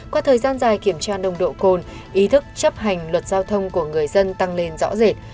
qua thời gian dài kiểm tra nồng độ cồn ý thức chấp hành luật giao thông của người dân tăng lên rõ rệt